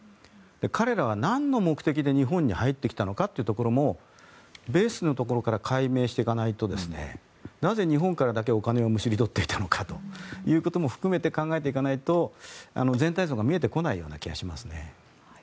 彼らはなんの目的で日本に入ってきたのかというところもベースのところから解明していかないとなぜ日本からだけお金をむしり取っていたのかということも含めて考えていかないと全体像が見えてこないような気がします。